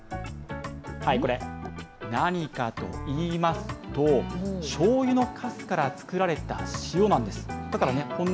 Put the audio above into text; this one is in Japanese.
これ、何かといいますと、しょうゆのかすから作られた塩なんです。